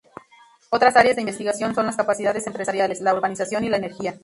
Otras áreas de investigación son las capacidades empresariales, la urbanización y la energía.